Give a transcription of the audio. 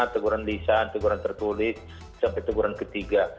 tegurang lisan tegurang tertulis sampai tegurang ketiga